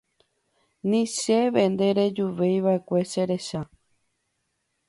Ni chéve nderejuveiva'ekue cherecha.